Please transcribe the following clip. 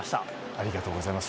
ありがとうございます。